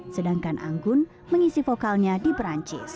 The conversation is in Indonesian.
sedangkan anggun mengisi vokalnya di perancis